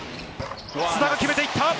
須田が決めていった。